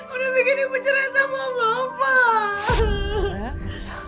udah bikin ibu cerai sama bapak